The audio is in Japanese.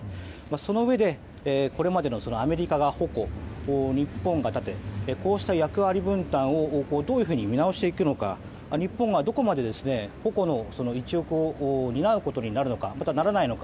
そのうえでこれまでのアメリカが矛日本が盾、こうした役割分担をどういうふうに見直していくのか日本はどこまで矛の一翼を担うことになるのかまたは、ならないのか。